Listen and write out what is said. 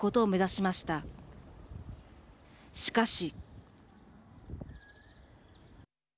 しかし。